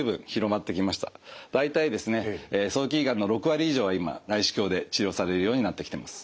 大体ですね早期胃がんの６割以上は今内視鏡で治療されるようになってきてます。